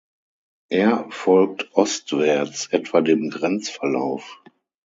Er folgt ostwärts etwa dem Grenzverlauf.